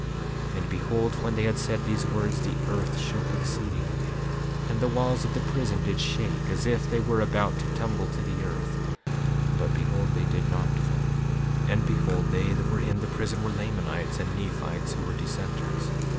5:27 And behold, when they had said these words, the earth shook exceedingly, and the walls of the prison did shake as if they were about to tumble to the earth; but behold, they did not fall. And behold, they that were in the prison were Lamanites and Nephites who were dissenters.